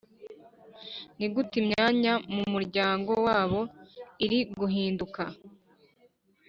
Ni gute imyanya mu muryango wabo iri guhinduka